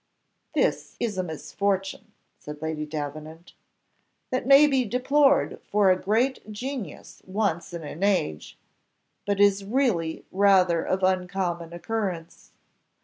'" "This is a misfortune," said Lady Davenant, "that may be deplored for a great genius once in an age, but is really rather of uncommon occurrence.